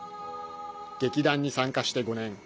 劇団に参加して５年。